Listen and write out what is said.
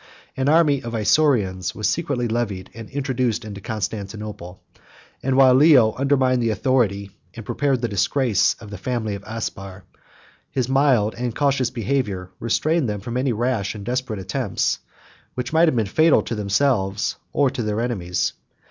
An army of Isaurians 70 was secretly levied, and introduced into Constantinople; and while Leo undermined the authority, and prepared the disgrace, of the family of Aspar, his mild and cautious behavior restrained them from any rash and desperate attempts, which might have been fatal to themselves, or their enemies.